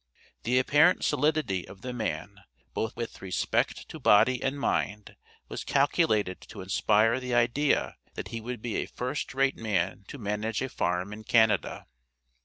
The apparent solidity of the man both with respect to body and mind was calculated to inspire the idea that he would be a first rate man to manage a farm in Canada.